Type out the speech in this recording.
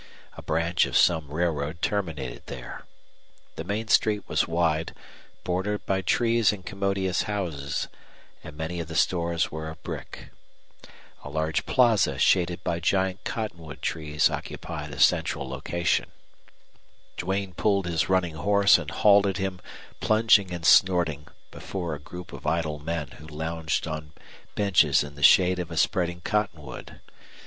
A branch of some railroad terminated there. The main street was wide, bordered by trees and commodious houses, and many of the stores were of brick. A large plaza shaded by giant cottonwood trees occupied a central location. Duane pulled his running horse and halted him, plunging and snorting, before a group of idle men who lounged on benches in the shade of a spreading cottonwood.